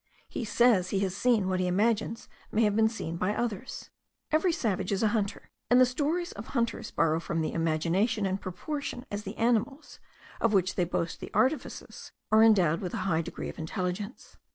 He says he has seen what he imagines may have been seen by others. Every savage is a hunter, and the stories of hunters borrow from the imagination in proportion as the animals, of which they boast the artifices, are endowed with a high degree of intelligence.